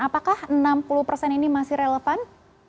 apakah enam puluh persen ini masih relevan